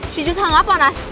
she just hang up lah nas